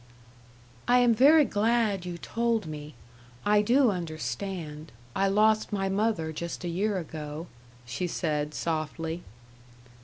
"I am very glad you told me. I do understand. I lost my mother just a year ago," she said, softly.